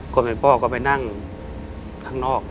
คนเป็นพ่อก็ไปนั่งข้างนอก